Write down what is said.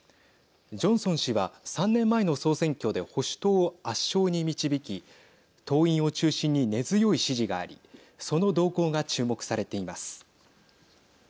ジョンソン氏は３年前の総選挙で保守党を圧勝に導き党員を中心に根強い支持がありその動向が注目されています。